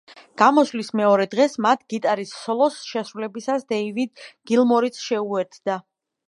გამოსვლის მეორე დღეს მათ გიტარის სოლოს შესრულებისას დეივიდ გილმორიც შეუერთდა.